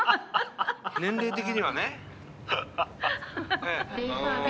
年齢的にはね。